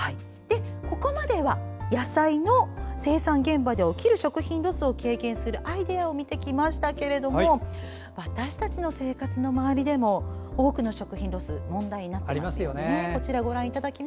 ここまでは野菜の生産現場で起きる食品ロスを軽減するアイデアを見てきましたけれども私たちの生活の周りでも多くの食品ロスが問題になっています。